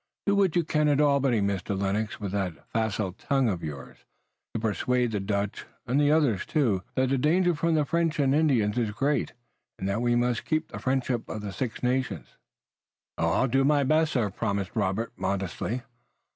Do what you can at Albany, Mr. Lennox, with that facile tongue of yours, to persuade the Dutch and the others too that the danger from the French and Indians is great, and that we must keep the friendship of the Six Nations." "I will do my best, sir," promised Robert modestly.